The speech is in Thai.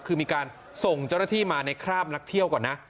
คือมีการส่งเจ้าหน้าที่มาในคราบนักเที่ยวก่อนนะ